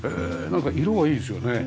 なんか色がいいですよね。